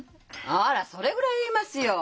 あらそれぐらい言えますよ。